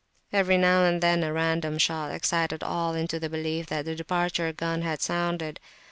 Every now and then a random shot excited all into the belief that the departure gun had sounded.